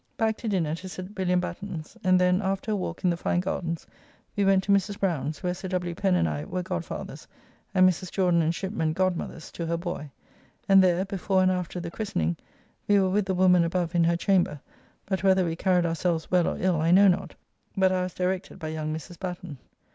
Back to dinner to Sir William Batten's; and then, after a walk in the fine gardens, we went to Mrs. Browne's, where Sir W. Pen and I were godfathers, and Mrs. Jordan and Shipman godmothers to her boy. And there, before and after the christening; we were with the woman above in her chamber; but whether we carried ourselves well or ill, I know not; but I was directed by young Mrs. Batten.